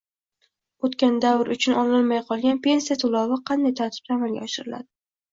O‘tgan davr uchun olinmay qolgan pensiya to‘lovi qanday tartibda amalga oshiriladi?